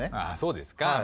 あそうですか。